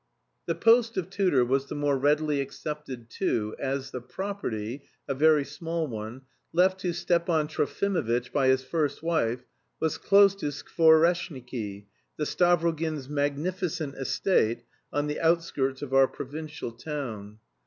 The post of tutor was the more readily accepted too, as the property a very small one left to Stepan Trofimovitch by his first wife was close to Skvoreshniki, the Stavrogins' magnificent estate on the outskirts of our provincial town.